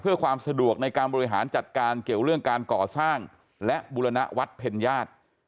เพื่อความสะดวกในการบริหารจัดการเกี่ยวเรื่องการก่อสร้างและบุรณวัดเพ็ญญาติ